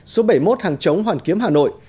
số bảy mươi một hàng chống hoàn kiếm hà nội